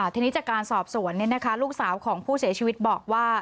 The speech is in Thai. ทีนี้จากการสอบสวนลูกสาวของผู้เสียชีวิตบอกว่า